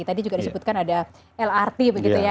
tadi juga disebutkan ada lrt begitu ya